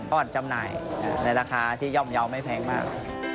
อ่อนจำหน่ายในราคาที่ย่อมเยาว์ไม่แพงมาก